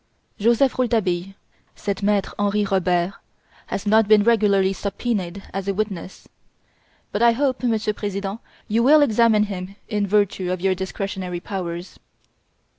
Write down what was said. "Joseph Rouletabille," said Maitre Henri Robert, "has not been regularly subpoenaed as a witness, but I hope, Monsieur President, you will examine him in virtue of your discretionary powers."